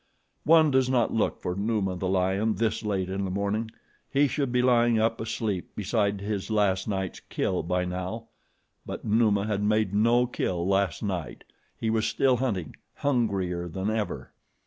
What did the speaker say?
One does not look for Numa, the lion, this late in the morning. He should be lying up asleep beside his last night's kill by now; but Numa had made no kill last night. He was still hunting, hungrier than ever.